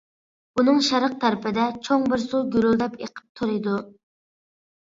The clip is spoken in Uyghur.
بۇنىڭ شەرق تەرىپىدە چوڭ بىر سۇ گۈرۈلدەپ ئېقىپ تۇرىدۇ.